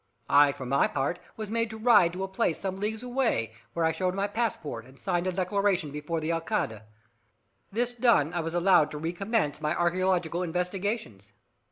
I, for my part, was made to ride to a place some leagues away, where I showed my passport, and signed a declaration before the Alcalde. This done, I was allowed to recommence my archaeological investigations.